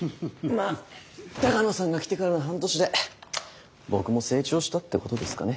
まあ鷹野さんが来てからの半年で僕も成長したってことですかね。